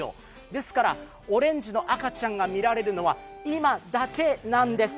ですから、オレンジの赤ちゃんが見られるのは今だけなんです。